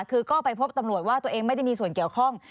คือก็ไปพบตำรวจว่าตัวเองไม่ได้มีส่วนเกี่ยวข้อง